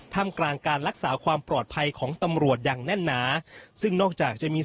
ทำกลางการรักษาความปลอดภัยของตำรวจอย่างแน่นหนาซึ่งนอกจากจะมี